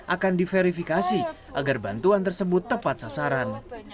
akan diverifikasi agar bantuan tersebut tepat sasaran